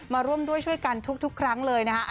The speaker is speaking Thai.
มาร่วมด้วยช่วยกันทุกครั้งเลยนะฮะ